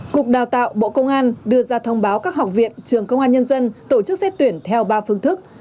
cục đào tạo bộ công an đưa ra thông báo các học viện trường công an nhân dân tổ chức xét tuyển theo ba phương thức